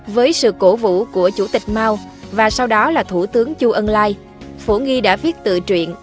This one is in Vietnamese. với sự cổ vũ của chủ tịch mao và sau đó là thủ tướng chu ân lai phổ nghi đã viết tự truyện